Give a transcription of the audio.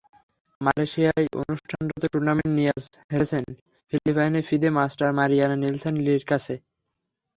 মালয়েশিয়ায় অনুষ্ঠানরত টুর্নামেন্টে নিয়াজ হেরেছেন ফিলিপাইনের ফিদে মাস্টার মারিয়ানো নেলসন লির কাছে।